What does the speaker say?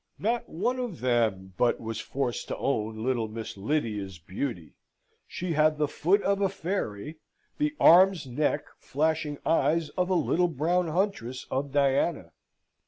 Not one of them but was forced to own little Miss Lydia's beauty. She had the foot of a fairy: the arms, neck, flashing eyes of a little brown huntress of Diana.